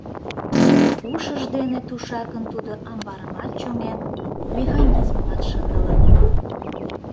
Ушыж дене тушакын тудо амбарымат чоҥен, механизмымат шындылын.